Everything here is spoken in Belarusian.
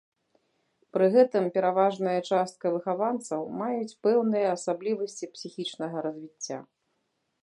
Пры гэтым, пераважная частка выхаванцаў маюць пэўныя асаблівасці псіхічнага развіцця.